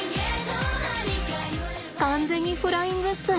完全にフライングっす。